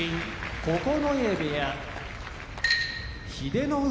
九重部屋英乃海